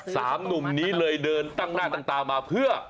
สามหนุ่มนี้เลยเดินตั้งหน้าตั้งตามาเพื่อ